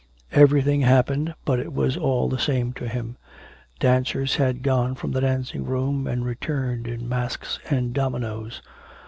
Everything happened, but it was all the same to him. Dancers had gone from the dancing room and returned in masks and dominoes.